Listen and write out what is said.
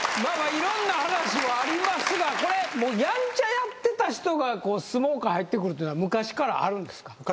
まあまあいろんな話はありますがこれやんちゃやってた人が相撲界入ってくるってのは昔からあるんですか？